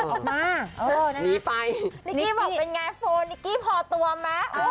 ออกมานิกกี้บอกเป็นไงโฟร์นิกกี้พอตัวมั้ย